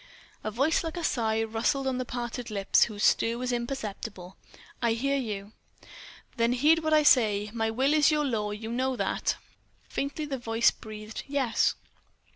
A voice like a sigh rustled on the parted lips, whose stir was imperceptible: "I hear you...." "Then heed what I say. My will is your law. You know that?" Faintly the voice breathed: "Yes."